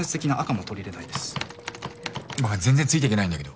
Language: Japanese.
ごめん全然ついていけないんだけど。